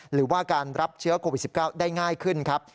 หรือว่าการรับเชื้อโควิด๑๙ได้ง่ายขึ้นครับ